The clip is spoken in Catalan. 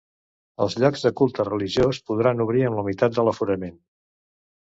Els llocs de culte religiós podran obrir amb la meitat de l’aforament.